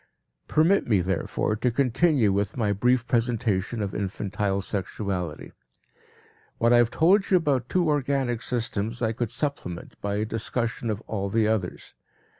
Permit me, therefore, to continue with my brief presentation of infantile sexuality. What I have told you about two organic systems I could supplement by a discussion of all the others.